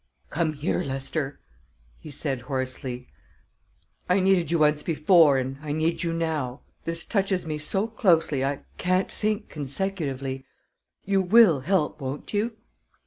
"Come here, Lester," he said hoarsely. "I needed you once before, and I need you now. This touches me so closely I can't think consecutively. You will help, won't you?"